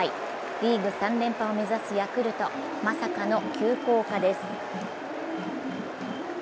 リーグ３連覇を目指すヤクルト、まさかの急降下です。